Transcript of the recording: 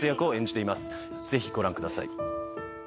ぜひご覧ください。